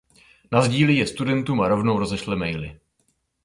Nasdílí je studentům a rovnou rozešle maily.